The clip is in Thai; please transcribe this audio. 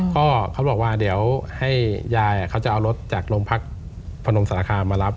ก็เขาบอกว่าเดี๋ยวให้ยายเขาจะเอารถจากโรงพักพนมสารคามมารับ